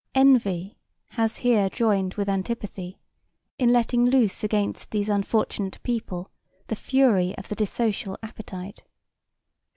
Envy has here joined with antipathy in letting loose against these unfortunate people the fury of the dissocial appetite.